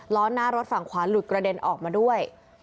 ล้อหน้ารถฝั่งขวาหลุดกระเด็นออกมาด้วย